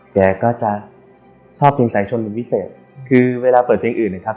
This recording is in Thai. แกก็จะชอบตรงสายชนเป็นพิเศษคือเวลาเปิดเพลงอื่นนะครับ